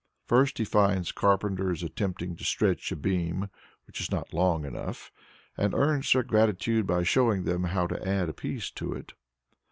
First he finds carpenters attempting to stretch a beam which is not long enough, and earns their gratitude by showing them how to add a piece to it.